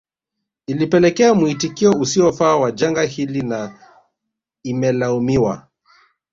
Ilipelekea muitikio usiofaa wa janga hili na imelaumiwa